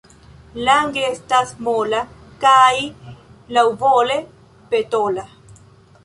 Lang' estas mola kaj laŭvole petola.